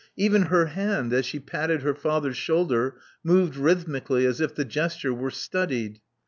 Even her hand, as she patted her father's shoulder, moved rhythmically as if the gesture were studied.